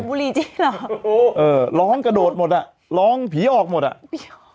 เอาบุหรี่จี้หรอเออร้องกระโดดหมดอ่ะร้องผีออกหมดอ่ะผีออก